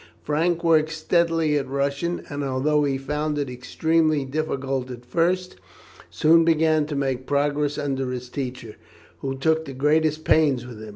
Frank worked steadily at Russian, and although he found it extremely difficult at first, soon began to make progress under his teacher, who took the greatest pains with him.